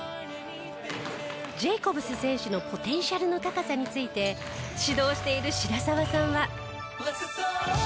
ジェイコブス選手のポテンシャルの高さについて指導している白澤さんは。